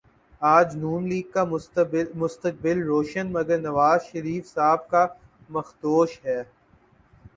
آج نون لیگ کا مستقبل روشن مگر نوازشریف صاحب کا مخدوش ہے